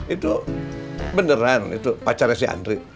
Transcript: itu beneran itu pacarnya si andri